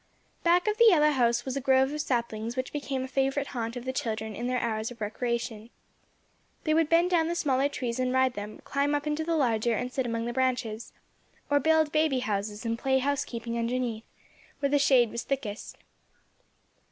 Back of the yellow house was a grove of saplings which became a favorite haunt of the children in their hours of recreation. They would bend down the smaller trees and ride them, climb up into the larger and sit among the branches; or build baby houses and play housekeeping underneath, where the shade was thickest.